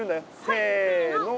せの。